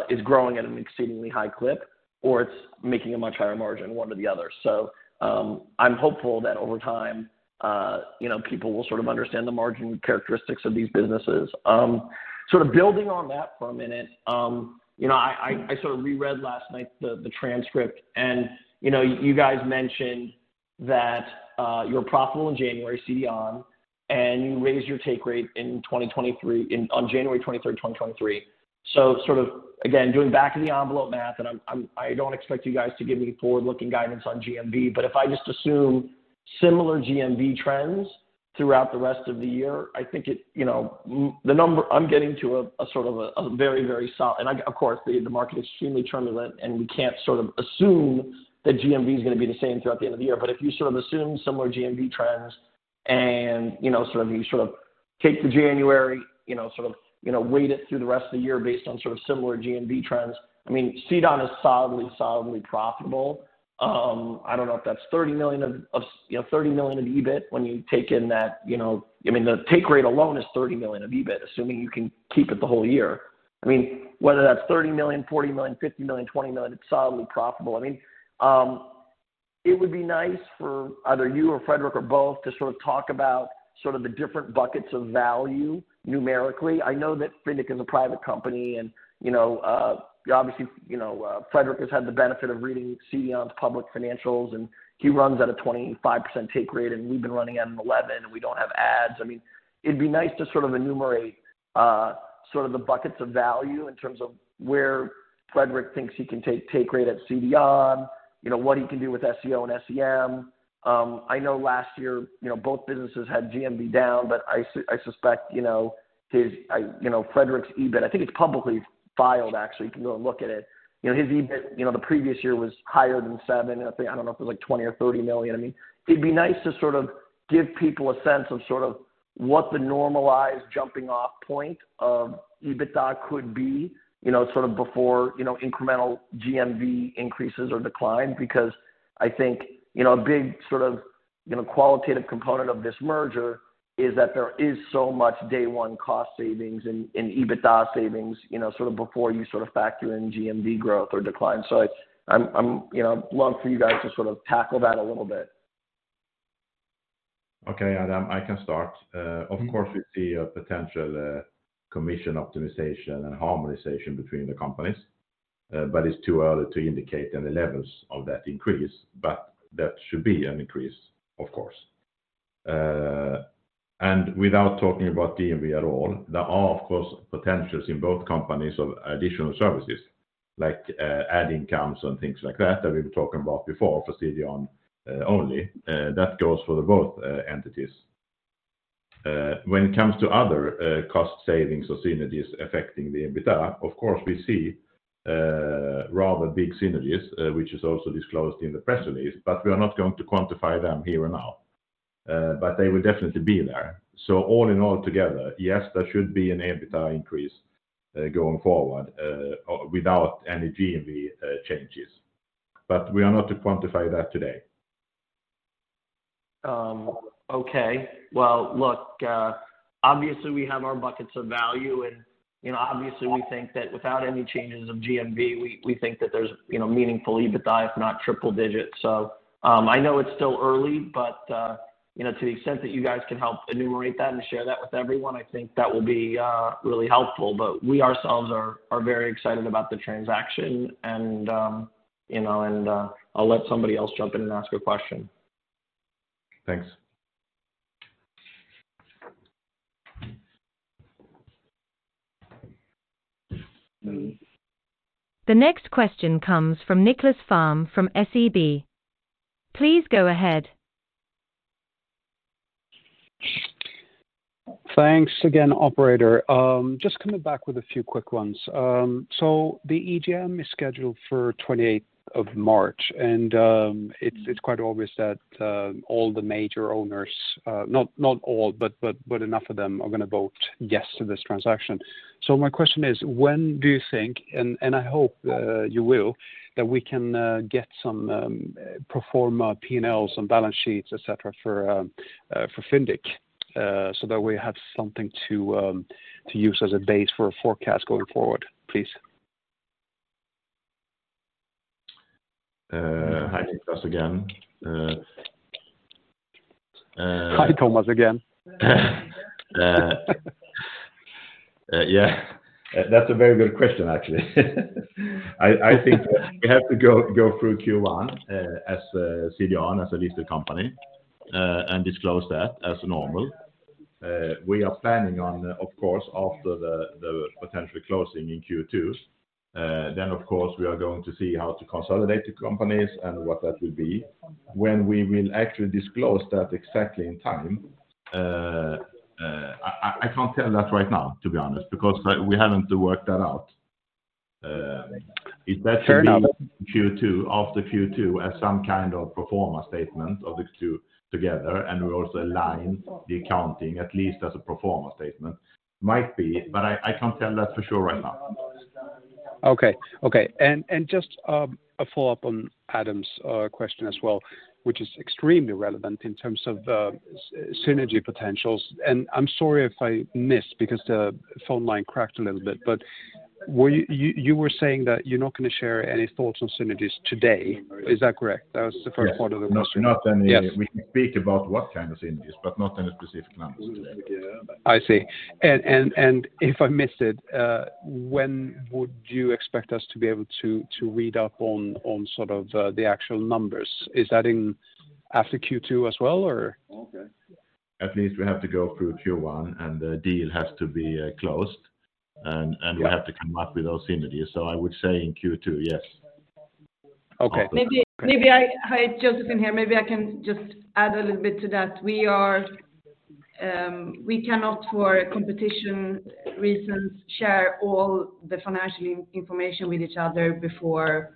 is growing at an exceedingly high clip, or it's making a much higher margin, one or the other. I'm hopeful that over time, you know, people will sort of understand the margin characteristics of these businesses. Sort of building on that for a minute, you know, I sort of reread last night the transcript and, you know, you guys mentioned that you were profitable in January, CDON, and you raised your take rate in 2023 on January 23rd, 2023. sort of again, doing back of the envelope math, and I don't expect you guys to give me forward-looking guidance on GMV, but if I just assume similar GMV trends throughout the rest of the year, I think it, you know, and of course, the market extremely turbulent, and we can't sort of assume that GMV is gonna be the same throughout the end of the year. If you sort of assume similar GMV trends and, you know, sort of you take the January, you know, sort of, you know, weight it through the rest of the year based on sort of similar GMV trends, I mean, CDON is solidly profitable. I don't know if that's 30 million of, you know, 30 million of EBIT when you take in that, you know. I mean, the take rate alone is 30 million of EBIT, assuming you can keep it the whole year. I mean, whether that's 30 million, 40 million, 50 million, 20 million, it's solidly profitable. I mean, it would be nice for either you or Fredrik or both to sort of talk about sort of the different buckets of value numerically. I know that Fyndiq is a private company and, you know, obviously, you know, Fredrik has had the benefit of reading CDON's public financials, and he runs at a 25% take rate, and we've been running at an 11, and we don't have ads. I mean, it'd be nice to sort of enumerate, sort of the buckets of value in terms of where Fredrik thinks he can take rate at CDON, you know, what he can do with SEO and SEM. I know last year, you know, both businesses had GMV down, but I suspect, you know, his, I, you know, Fredrik's EBIT, I think it's publicly filed, actually. You can go and look at it. You know, his EBIT, you know, the previous year was higher than seven. I don't know if it was, like, 20 million-30 million. I mean, it'd be nice to sort of give people a sense of sort of what the normalized jumping off point of EBITDA could be, you know, sort of before, you know, incremental GMV increases or decline. I think, you know, a big sort of, you know, qualitative component of this merger is that there is so much day one cost savings and EBITDA savings, you know, sort of before you sort of factor in GMV growth or decline. I'm, you know, love for you guys to sort of tackle that a little bit. Okay, Adam, I can start. Of course, we see a potential commission optimization and harmonization between the companies. It's too early to indicate any levels of that increase. That should be an increase, of course. Without talking about GMV at all, there are, of course, potentials in both companies of additional services, like ad incomes and things like that we've been talking about before for CDON only. That goes for the both entities. When it comes to other cost savings or synergies affecting the EBITDA, of course, we see rather big synergies, which is also disclosed in the press release. We are not going to quantify them here and now. They will definitely be there. All in all together, yes, there should be an EBITDA increase going forward without any GMV changes. We are not to quantify that today. Okay. Well, look, obviously we have our buckets of value and, obviously we think that without any changes of GMV, we think that there's meaningful EBITDA, if not triple digits. I know it's still early, but to the extent that you guys can help enumerate that and share that with everyone, I think that will be really helpful. We ourselves are very excited about the transaction and, I'll let somebody else jump in and ask a question. Thanks. The next question comes from Nicklas Fhärm from SEB. Please go ahead. Thanks again, operator. Just coming back with a few quick ones. The EGM is scheduled for 28th of March, and it's quite obvious that all the major owners, not all, but enough of them are going to vote yes to this transaction. My question is, when do you think, and I hope you will, that we can get some pro forma P&Ls and balance sheets, et cetera, for Fyndiq, so that we have something to use as a base for a forecast going forward, please? hi Nicklas again. Hi, Thomas again. Yeah, that's a very good question, actually. I think we have to go through Q1 as CDON as a listed company and disclose that as normal. We are planning on, of course, after the potential closing in Q2, then of course, we are going to see how to consolidate the companies and what that will be. When we will actually disclose that exactly in time, I can't tell that right now, to be honest, because we haven't worked that out. Fair enough. It might be Q2, after Q2, as some kind of pro forma statement of the two together, and we also align the accounting at least as a pro forma statement. Might be, but I can't tell that for sure right now. Okay. Okay. Just a follow-up on Adam's question as well, which is extremely relevant in terms of synergy potentials. I'm sorry if I missed because the phone line cracked a little bit, but you were saying that you're not going to share any thoughts on synergies today. Is that correct? That was the first part of the question. Yes. Not. Yes. We can speak about what kind of synergies, but not any specific numbers today. I see. If I missed it, when would you expect us to be able to read up on sort of the actual numbers? Is that in after Q2 as well or? At least we have to go through Q1, and the deal has to be closed, and we have to come up with those synergies. I would say in Q2, yes. Okay. After- Hi, Josephine here. Maybe I can just add a little bit to that. We cannot, for competition reasons, share all the financial information with each other before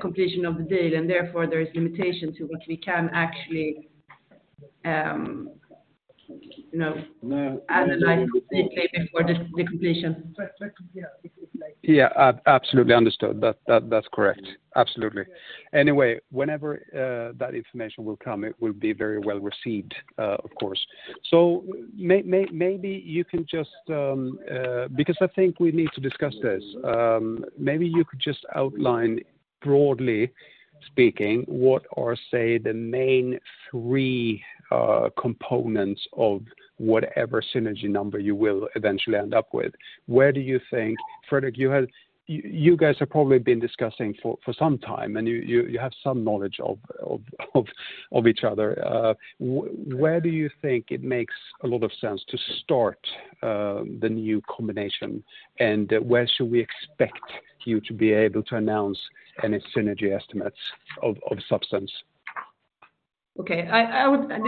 completion of the deal, and therefore there is limitation to what we can actually, you know, analyze completely before the completion. Yeah. Absolutely understood. That's correct. Absolutely. Whenever that information will come, it will be very well received, of course. Maybe you can just, because I think we need to discuss this. Maybe you could just outline broadly speaking, what are, say, the main three components of whatever synergy number you will eventually end up with? Where do you think? Fredrik, you guys have probably been discussing for some time, and you have some knowledge of each other. Where do you think it makes a lot of sense to start the new combination, and where should we expect you to be able to announce any synergy estimates of substance? Okay.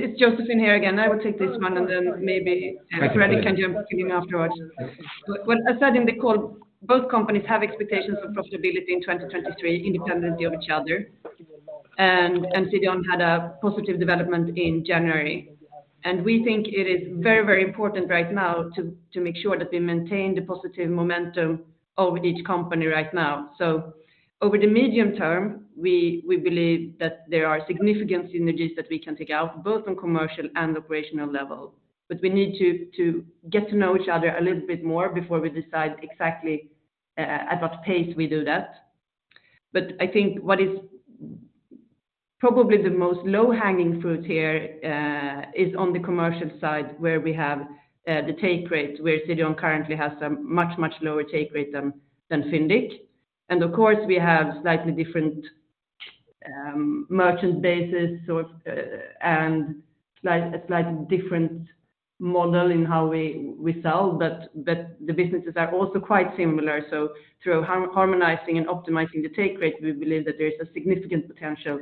It's Josephine here again. I will take this one, then maybe. Thank you. Fredrik can jump in afterwards. As said in the call, both companies have expectations for profitability in 2023 independently of each other. CDON had a positive development in January. We think it is very important right now to make sure that we maintain the positive momentum of each company right now. Over the medium term, we believe that there are significant synergies that we can take out, both on commercial and operational level. We need to get to know each other a little bit more before we decide exactly at what pace we do that. I think what is probably the most low-hanging fruit here is on the commercial side where we have the take rate, where CDON currently has a much lower take rate than Fyndiq. Of course, we have slightly different merchant bases, so, a slightly different model in how we sell, but the businesses are also quite similar. Through harmonizing and optimizing the take rate, we believe that there is a significant potential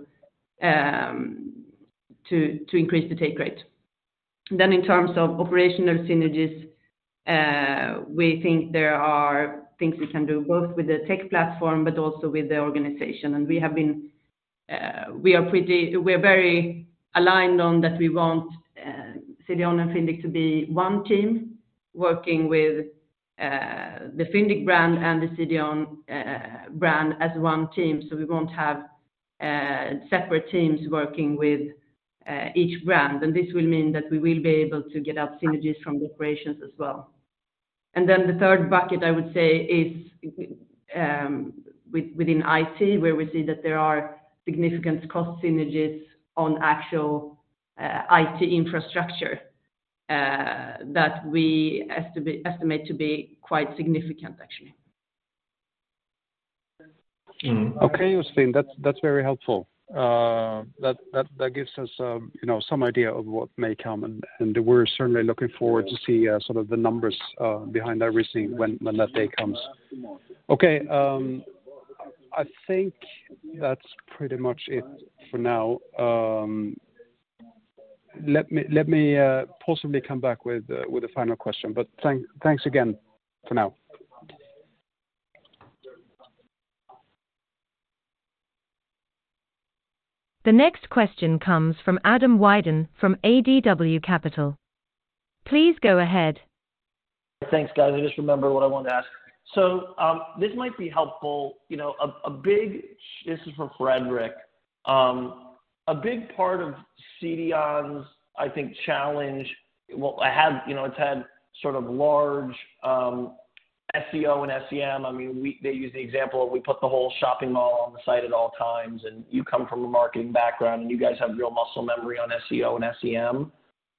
to increase the take rate. In terms of operational synergies, we think there are things we can do both with the tech platform but also with the organization. We have been, we're very aligned on that we want CDON and Fyndiq to be one team working with the Fyndiq brand and the CDON brand as one team. We won't have separate teams working with each brand. This will mean that we will be able to get out synergies from the operations as well. The third bucket I would say is within IT, where we see that there are significant cost synergies on actual IT infrastructure that we estimate to be quite significant actually. Okay, Josephine, that's very helpful. That gives us, you know, some idea of what may come, and we're certainly looking forward to see sort of the numbers behind everything when that day comes. Okay, I think that's pretty much it for now. Let me possibly come back with a final question, but thanks again for now. The next question comes from Adam Wyden from ADW Capital. Please go ahead. Thanks, guys. I just remembered what I wanted to ask. This might be helpful. You know, this is for Fredrik. A big part of CDON's, I think, challenge. It had, you know, it's had sort of large, SEO and SEM. I mean, they use the example of we put the whole shopping mall on the site at all times, and you come from a marketing background, and you guys have real muscle memory on SEO and SEM.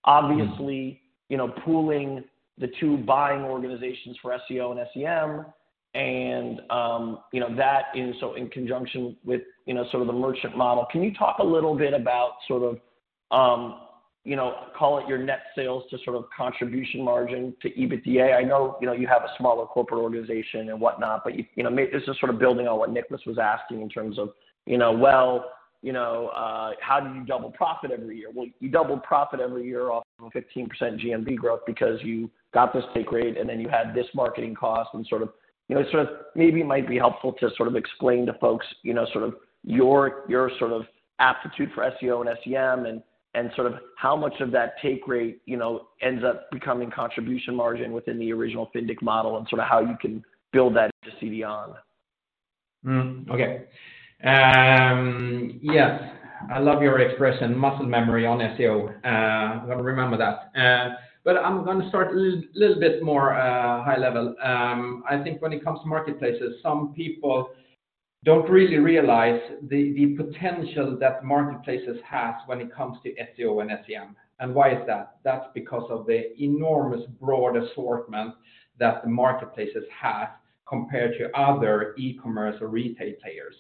Obviously, you know, pooling the two buying organizations for SEO and SEM and, you know, that in conjunction with, you know, sort of the merchant model. Can you talk a little bit about sort of, you know, call it your net sales to sort of contribution margin to EBITDA? I know, you know, you have a smaller corporate organization and whatnot, but you know, this is sort of building on what Nicklas was asking in terms of, you know, well, you know, how do you double profit every year? You double profit every year off of 15% GMV growth because you got this take rate and then you had this marketing cost and sort of. You know, sort of maybe it might be helpful to sort of explain to folks, you know, sort of your sort of aptitude for SEO and SEM and sort of how much of that take rate, you know, ends up becoming contribution margin within the original Fyndiq model and sort of how you can build that into CDON. Okay. Yes. I love your expression, muscle memory on SEO. Gonna remember that. I'm gonna start a little bit more high level. I think when it comes to marketplaces, some people don't really realize the potential that marketplaces has when it comes to SEO and SEM. Why is that? That's because of the enormous broad assortment that the marketplaces have compared to other e-commerce or retail players.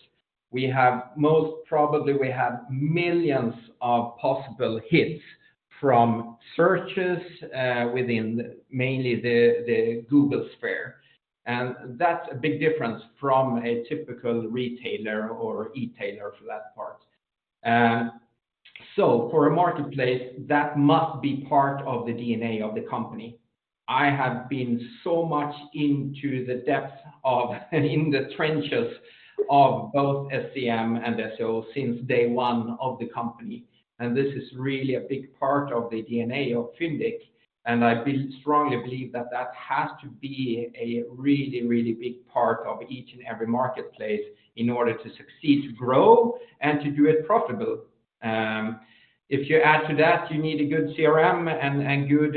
We most probably have millions of possible hits from searches within mainly the Google sphere. That's a big difference from a typical retailer or e-tailer for that part. So for a marketplace, that must be part of the DNA of the company. I have been so much into the depth of and in the trenches of both SEM and SEO since day one of the company. This is really a big part of the DNA of Fyndiq. I strongly believe that that has to be a really big part of each and every marketplace in order to succeed, to grow, and to do it profitable. If you add to that, you need a good CRM and good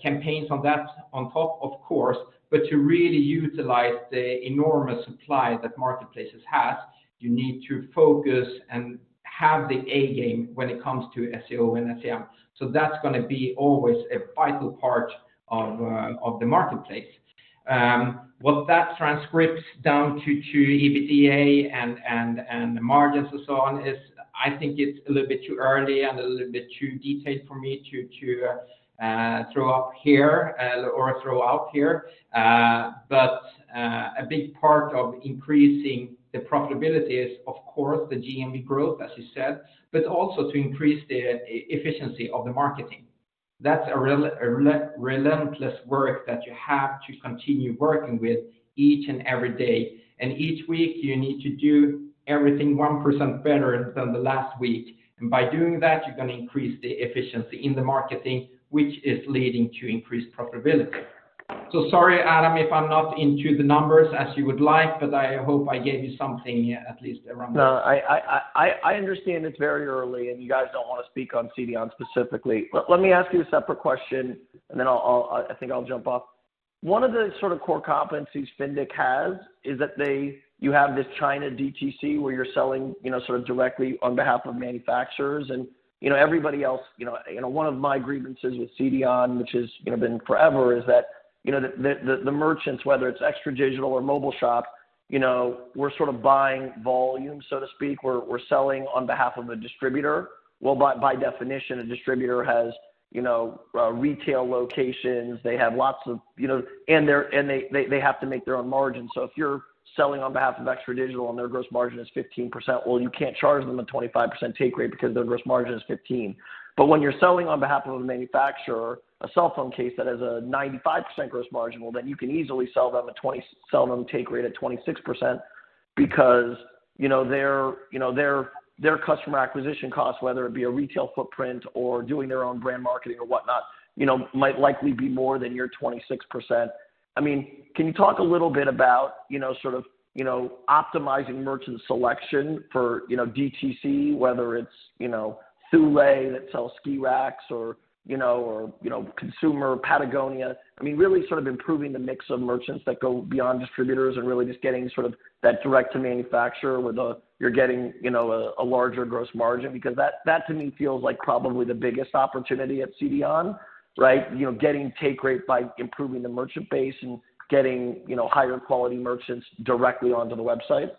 campaigns on that on top, of course. To really utilize the enormous supply that marketplaces has, you need to focus and have the A game when it comes to SEO and SEM. That's gonna be always a vital part of the marketplace. What that transcripts down to EBITDA and the margins and so on is I think it's a little bit too early and a little bit too detailed for me to throw up here or throw out here. A big part of increasing the profitability is, of course, the GMV growth, as you said, but also to increase the e-efficiency of the marketing. That's a relentless work that you have to continue working with each and every day. Each week you need to do everything 1% better than the last week. By doing that, you're gonna increase the efficiency in the marketing, which is leading to increased profitability. Sorry, Adam, if I'm not into the numbers as you would like, but I hope I gave you something at least around those. No, I, I understand it's very early, and you guys don't want to speak on CDON specifically. Let me ask you a separate question, and then I'll think I'll jump off. One of the sort of core competencies Fyndiq has is that they. You have this China DTC where you're selling, you know, sort of directly on behalf of manufacturers. You know, everybody else, you know, you know, one of my grievances with CDON, which has, you know, been forever, is that, you know, the, the merchants, whether it's ExtraDigital or Mobileshop, you know, we're sort of buying volume, so to speak. We're selling on behalf of a distributor. Well, by definition, a distributor has, you know, retail locations. They have lots of, you know. And they have to make their own margin. If you're selling on behalf of ExtraDigital and their gross margin is 15%, well, you can't charge them a 25% take rate because their gross margin is 15%. When you're selling on behalf of a manufacturer, a cell phone case that has a 95% gross margin, well, then you can easily sell them a take rate at 26% because, you know, their, you know, their customer acquisition costs, whether it be a retail footprint or doing their own brand marketing or whatnot, you know, might likely be more than your 26%. I mean, can you talk a little bit about, you know, sort of, you know, optimizing merchant selection for, you know, DTC, whether it's, you know, Thule that sells ski racks or, you know, or, you know, Consumer Patagonia? I mean, really sort of improving the mix of merchants that go beyond distributors and really just getting sort of that direct to manufacturer. You're getting, you know, a larger gross margin. That to me feels like probably the biggest opportunity at CDON, right? You know, getting take rate by improving the merchant base and getting, you know, higher quality merchants directly onto the website.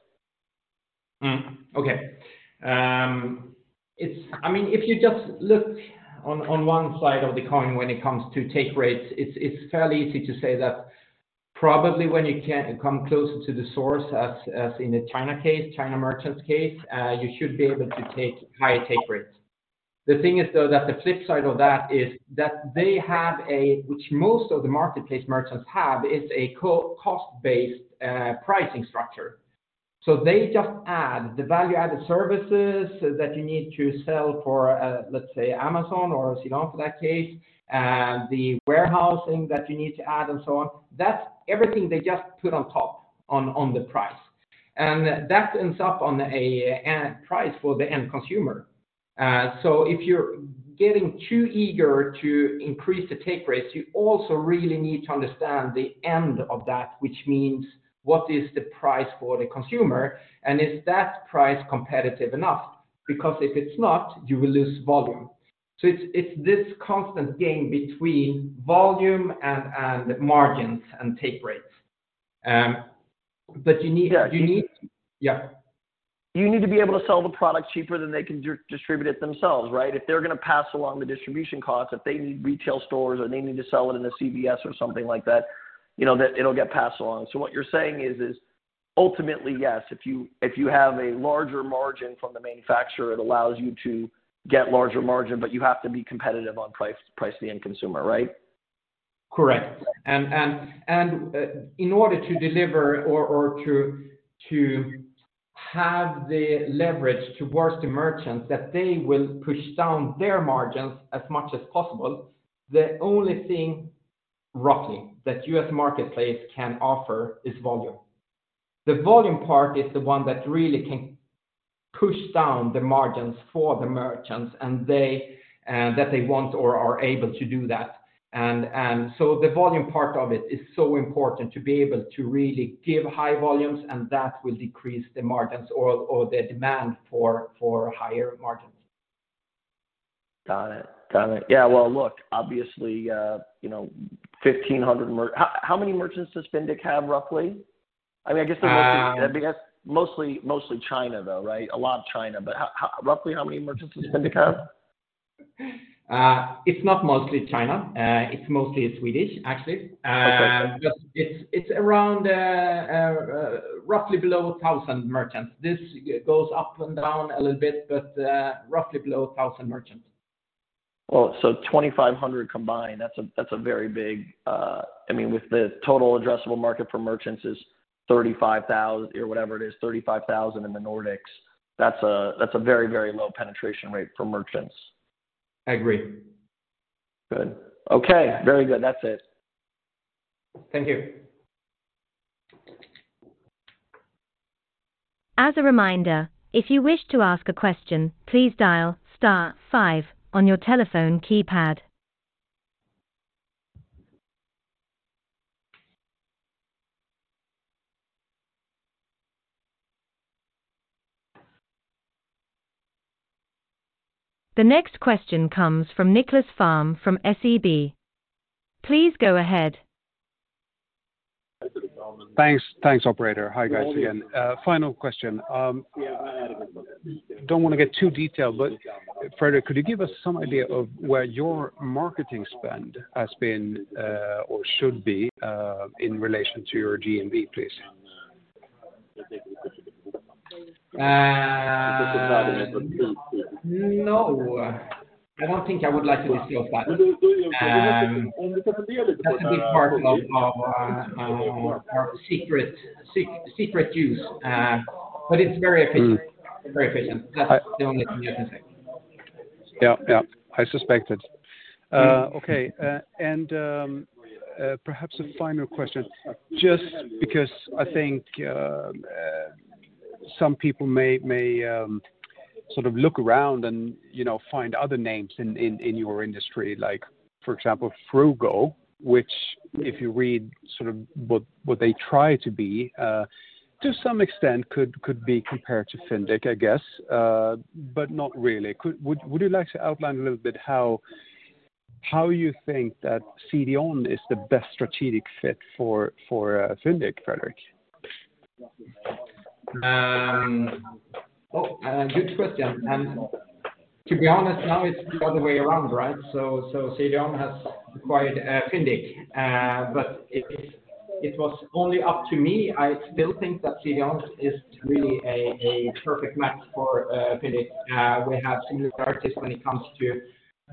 Okay. I mean, if you just look on one side of the coin when it comes to take rates, it's fairly easy to say that probably when you can come closer to the source, as in the China case, China merchants case, you should be able to take higher take rates. The thing is, though, that the flip side of that is that they have a, which most of the marketplace merchants have, is a cost-based pricing structure. They just add the value-added services that you need to sell for, let's say, Amazon or CDON for that case, the warehousing that you need to add and so on. That's everything they just put on top on the price. That ends up on a price for the end consumer. If you're getting too eager to increase the take rates, you also really need to understand the end of that, which means what is the price for the consumer, and is that price competitive enough? If it's not, you will lose volume. It's this constant game between volume and margins and take rates. Yeah. Yeah. You need to be able to sell the product cheaper than they can distribute it themselves, right? If they're gonna pass along the distribution cost, if they need retail stores or they need to sell it in a CVS or something like that, you know, then it'll get passed along. What you're saying is ultimately, yes, if you have a larger margin from the manufacturer, it allows you to get larger margin, but you have to be competitive on price to the end consumer, right? Correct. In order to deliver or to have the leverage towards the merchants that they will push down their margins as much as possible, the only thing, roughly, that U.S. marketplace can offer is volume. The volume part is the one that really can push down the margins for the merchants, and they that they want or are able to do that. The volume part of it is so important to be able to really give high volumes, and that will decrease the margins or the demand for higher margins. Got it. Yeah, well, look, obviously, you know, 1,500. How many merchants does Fyndiq have, roughly? I mean, I guess they're. Um- Mostly China, though, right? A lot of China. How roughly how many merchants does Fyndiq have? It's not mostly China. It's mostly Swedish, actually. Okay. just it's around, roughly below 1,000 merchants. This goes up and down a little bit, but, roughly below 1,000 merchants. 2,500 combined, that's a very big. I mean, with the total addressable market for merchants is 35,000 or whatever it is, 35,000 in the Nordics. That's a very low penetration rate for merchants. I agree. Good. Okay. Very good. That's it. Thank you. As a reminder, if you wish to ask a question, please dial star five on your telephone keypad. The next question comes from Nicklas Fhärm from SEB. Please go ahead. Thanks, operator. Hi, guys again. Final question. Don't want to get too detailed, but Fredrik, could you give us some idea of where your marketing spend has been or should be in relation to your GMV, please? No. I don't think I would like to disclose that. That will be part of our secret use. It's very efficient, very efficient. That's the only thing I can say. Yeah. Yeah. I suspected. Okay. Perhaps a final question. Just because I think some people may sort of look around and, you know, find other names in your industry, like, for example, Fruugo, which if you read sort of what they try to be, to some extent could be compared to Fyndiq, I guess, but not really. Would you like to outline a little bit how you think that CDON is the best strategic fit for Fyndiq, Fredrik? Good question. To be honest, now it's the other way around, right? CDON has acquired Fyndiq. If it was only up to me, I still think that CDON is really a perfect match for Fyndiq. We have similar characteristics when it comes to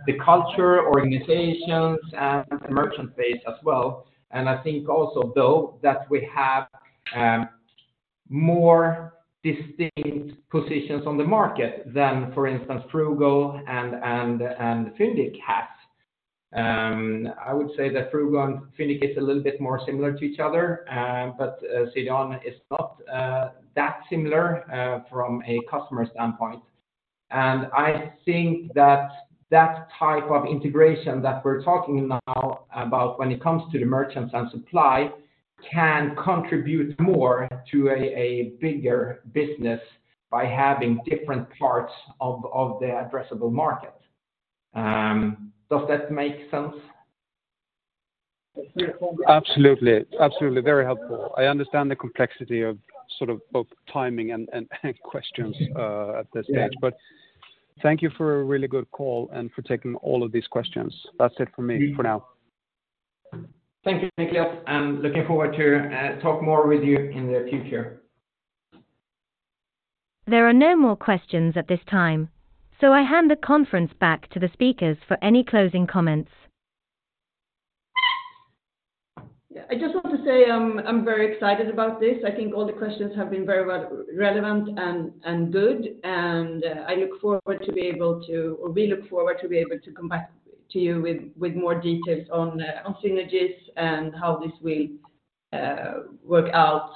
the culture, organizations and merchant base as well. I think also though, that we have more distinct positions on the market than, for instance, Fruugo and Fyndiq has. I would say that Fruugo and Fyndiq is a little bit more similar to each other, but CDON is not that similar from a customer standpoint. I think that type of integration that we're talking now about when it comes to the merchants and supply can contribute more to a bigger business by having different parts of the addressable market. Does that make sense? Absolutely. Absolutely. Very helpful. I understand the complexity of sort of both timing and questions at this stage. Yeah. Thank you for a really good call and for taking all of these questions. That's it for me for now. Thank you, Nicklas. I'm looking forward to talk more with you in the future. There are no more questions at this time. I hand the conference back to the speakers for any closing comments. Yeah. I just want to say I'm very excited about this. I think all the questions have been very well relevant and good, and we look forward to be able to come back to you with more details on synergies and how this will work out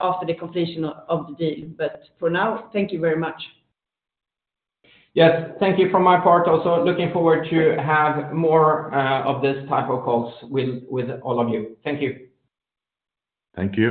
after the completion of the deal. For now, thank you very much. Yes. Thank you. From my part also, looking forward to have more of this type of calls with all of you. Thank you. Thank you.